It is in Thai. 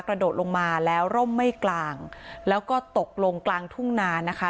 กระโดดลงมาแล้วร่มไม่กลางแล้วก็ตกลงกลางทุ่งนานะคะ